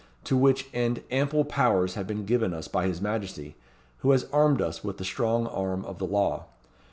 To which end ample powers have been given us by his Majesty, who has armed us with the strong arm of the law.